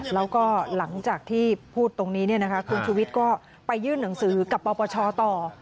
แล้วก็หลังจากที่พูดตรงนี้คุณชุวิตก็ไปยื่นหนังสือกับปปชต่อ